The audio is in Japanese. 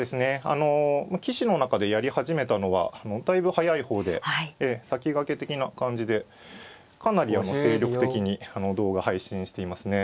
棋士の中でやり始めたのはだいぶ早い方で先駆け的な感じでかなり精力的に動画配信していますね。